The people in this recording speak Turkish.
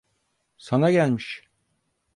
Sana gelmiş.